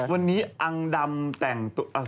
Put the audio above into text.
วันนี้อังดำแต่งตัว